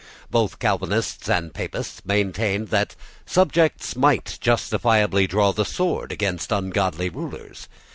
Both Calvinists and Papists maintained that subjects might justifiably draw the sword against ungodly rulers.